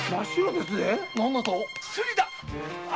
スリだ！